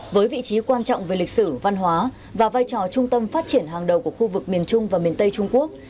với vị trí quan trọng về lịch sử văn hóa và vai trò trung tâm phát triển hàng đầu của khu vực miền trung và miền tây trung quốc